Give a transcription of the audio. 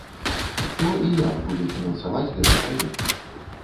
Хто і як будзе фінансаваць гэты праект?